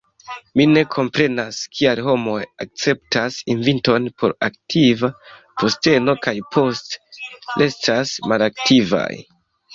Mi ne komprenas, kial homoj akceptas inviton por aktiva posteno kaj poste restas malaktivaj.